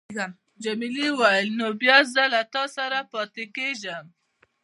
جميلې وويل: نو بیا زه له تا سره پاتېږم.